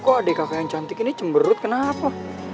kok adik kakak yang cantik ini cemberut kenapa